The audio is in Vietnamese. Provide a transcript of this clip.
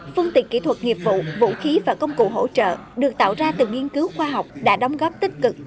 phương tiện kỹ thuật nghiệp vụ vũ khí và công cụ hỗ trợ được tạo ra từ nghiên cứu khoa học đã đóng góp tích cực